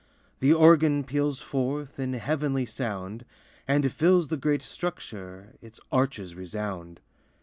The organ peals forth In heavenly sound, And fills the great structure, Its arches resound.